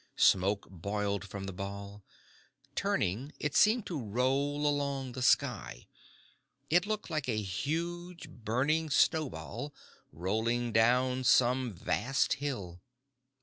Smoke boiled from the ball. Turning it seemed to roll along the sky. It looked like a huge burning snowball rolling down some vast hill.